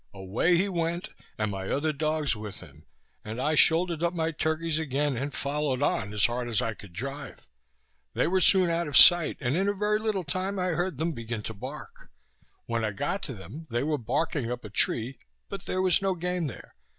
Away he went, and my other dogs with him, and I shouldered up my turkeys again, and followed on as hard as I could drive. They were soon out of sight, and in a very little time I heard them begin to bark. When I got to them, they were barking up a tree, but there was no game there.